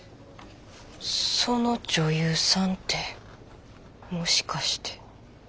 その女優さんってもしかして。